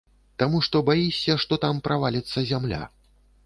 Таму што баішся, што там праваліцца зямля.